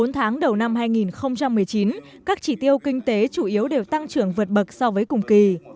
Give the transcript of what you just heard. bốn tháng đầu năm hai nghìn một mươi chín các chỉ tiêu kinh tế chủ yếu đều tăng trưởng vượt bậc so với cùng kỳ